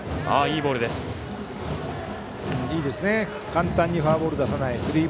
簡単にフォアボールを出さない。